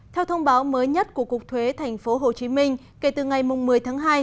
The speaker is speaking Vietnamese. theo thông báo mới nhất của cục thuế thành phố hồ chí minh kể từ ngày một mươi tháng hai